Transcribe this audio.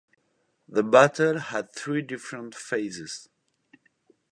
The battle had three different phases.